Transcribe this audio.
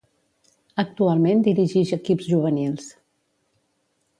Actualment dirigix equips juvenils.